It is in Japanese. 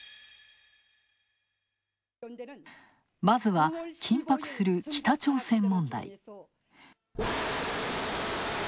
まずは緊迫する北朝鮮問題。